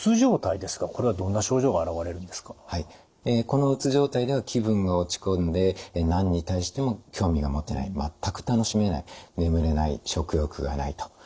このうつ状態では気分が落ち込んで何に対しても興味が持てない全く楽しめない眠れない食欲がないと。